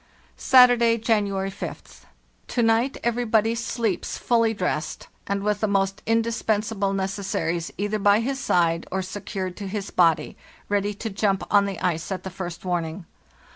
"Saturday, January 5th. To night everybody sleeps fully dressed, and with the most indispensable necessaries either by his side or secured to his body, ready to jump on the ice at the first warning.